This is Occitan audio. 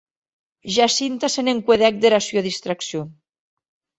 Jacinta se n’encuedèc dera sua distraccion.